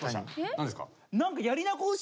何ですか？